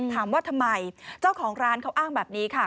ถามว่าทำไมเจ้าของร้านเขาอ้างแบบนี้ค่ะ